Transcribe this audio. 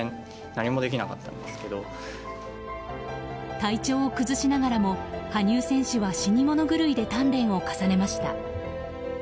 体調を崩しながらも羽生選手は死にもの狂いで鍛錬を重ねました。